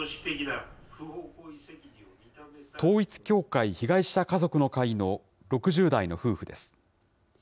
統一教会被害者家族の会の６０代の夫婦です。